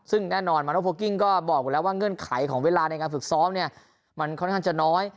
ซึ่งแน่นอนมาโนโพกิ้งก็บอกอยู่แล้วว่าเงื่อนไขของเวลาในการฝึกซ้อมเนี่ยมันค่อนข้างจะน้อย